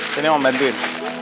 sini om bantuin